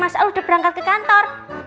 mas al sudah berangkat ke kantor